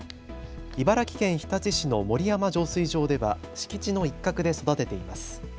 茨城県日立市の森山浄水場では敷地の一角で育てています。